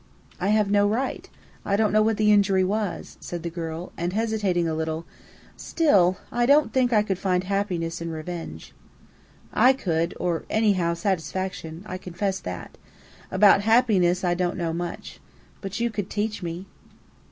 "I have no right I don't know what the injury was," said the girl; and, hesitating a little, "still I don't think I could find happiness in revenge." "I could, or anyhow, satisfaction: I confess that. About 'happiness,' I don't know much. But you could teach me."